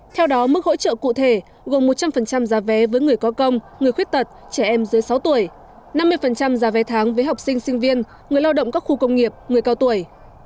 theo đó mức hỗ trợ cụ thể gồm một trăm linh giá vé với người có công người khuyết tật trẻ em dưới sáu tuổi năm mươi giá vé tháng với học sinh sinh viên người lao động các khu công nghiệp người cao tuổi